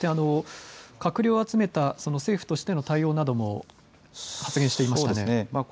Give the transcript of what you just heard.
閣僚を集めた政府としての対応なども発言していましたね。